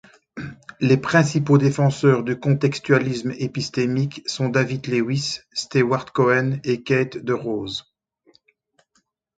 Les principaux défenseurs du contextualisme épistémique sont David Lewis, Stewart Cohen et Keith DeRose.